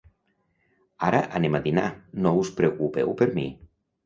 Ara anem a dinar, no us preocupeu per mi.